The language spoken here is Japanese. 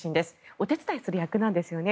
お手伝いする役なんですよね。